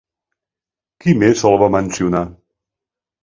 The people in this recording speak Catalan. Qui més el va mencionar?